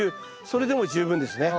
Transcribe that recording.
それでも十分ですね。